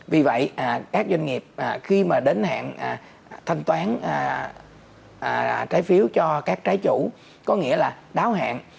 vì vậy các doanh nghiệp khi mà đến hạn thanh toán trái phiếu cho các trái chủ có nghĩa là đáo hạn